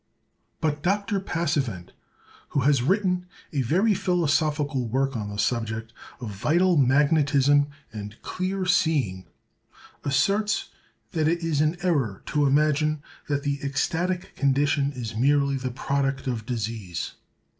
But Dr. Passavent, who has written a very philosophical work on the subject of vital magnetism and clear seeing, asserts, that it is an error to imagine that the ecstatic condition is merely the product of disease.